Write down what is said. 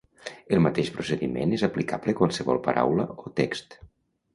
El mateix procediment és aplicable a qualsevol paraula o text.